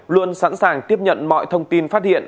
luôn sẵn sàng tiếp nhận mọi thông tin phát hiện